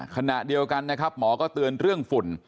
ขณะเดียวกันนะครับหมอก็เตือนเรื่องฝุ่น